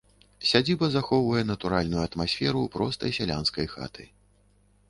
Сядзіба захоўвае натуральную атмасферу простай сялянскай хаты.